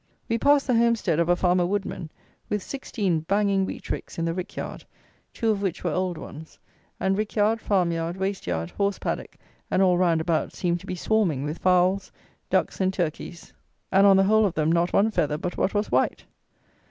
We passed the homestead of a farmer Woodman, with sixteen banging wheat ricks in the rick yard, two of which were old ones; and rick yard, farm yard, waste yard, horse paddock, and all round about, seemed to be swarming with fowls, ducks, and turkeys, and on the whole of them not one feather but what was white!